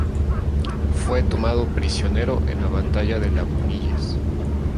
Fue tomado prisionero en la batalla de Lagunillas.